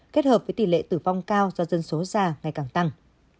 kết hợp với tỷ lệ tử vong cao do dân số già ngày càng tăng